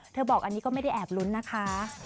บอกอันนี้ก็ไม่ได้แอบลุ้นนะคะ